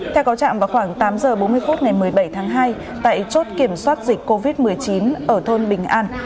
theo có trạm vào khoảng tám giờ bốn mươi phút ngày một mươi bảy tháng hai tại chốt kiểm soát dịch covid một mươi chín ở thôn bình an